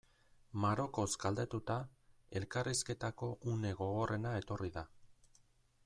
Marokoz galdetuta, elkarrizketako une gogorrena etorri da.